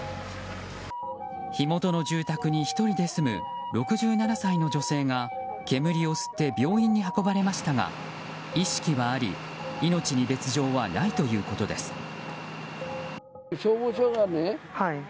火元の住宅に１人で住む６７歳の女性が煙を吸って病院に運ばれましたが意識はあり命に別条はないということです。